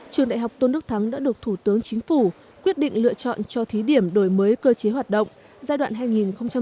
trường đại học tôn đức thắng đã được thủ tướng chính phủ quyết định lựa chọn cho thí điểm đổi mới cơ chế hoạt động giai đoạn hai nghìn một mươi sáu hai nghìn hai mươi